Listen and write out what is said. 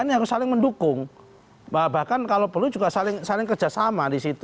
mereka mendukung bahkan kalau perlu juga saling kerjasama disitu